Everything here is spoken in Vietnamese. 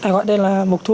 tài khoản tên là mục thu